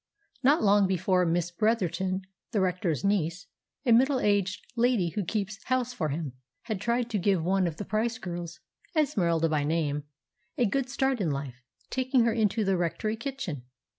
Not long before, Miss Bretherton, the Rector's niece, a middle aged lady who keeps house for him, had tried to give one of the Price girls—Esmeralda by name—a good start in life, taking her into the rectory kitchen.